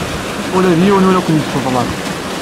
Ula d yiwen ur ken-yesseḍlam.